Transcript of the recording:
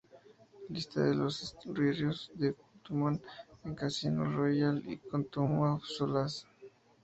Lista de los esbirros de Quantum en Casino Royale y Quantum of Solace